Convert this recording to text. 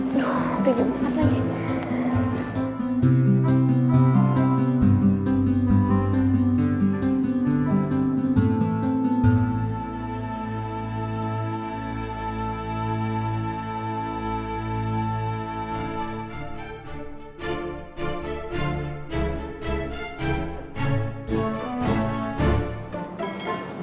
duh tiga jam empat lagi